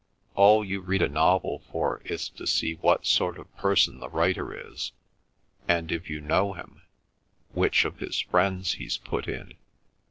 All you read a novel for is to see what sort of person the writer is, and, if you know him, which of his friends he's put in.